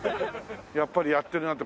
やっぱりやってるなって。